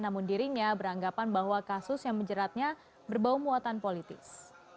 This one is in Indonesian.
namun dirinya beranggapan bahwa kasus yang menjeratnya berbau muatan politis